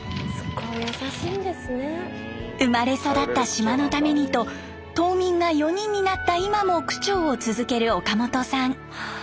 生まれ育った島のためにと島民が４人になった今も区長を続ける岡本さん。